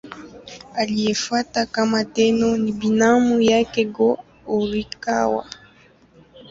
Aliyemfuata kama Tenno ni binamu yake Go-Horikawa.